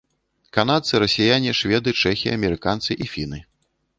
Канадцы, расіяне, шведы, чэхі, амерыканцы і фіны.